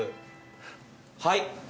はい！